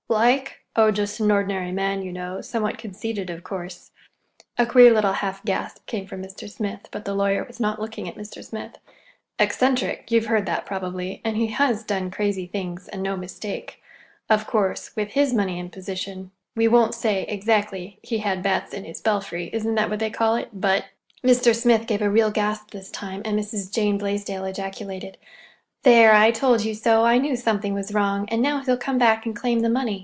"Like? Oh, just an ordinary man, you know,—somewhat conceited, of course." (A queer little half gasp came from Mr. Smith, but the lawyer was not looking at Mr. Smith.) "Eccentric—you've heard that, probably. And he has done crazy things, and no mistake. Of course, with his money and position, we won't exactly say he had bats in his belfry—isn't that what they call it?—but—" Mr. Smith gave a real gasp this time, and Mrs. Jane Blaisdell ejaculated:— "There, I told you so! I knew something was wrong. And now he'll come back and claim the money.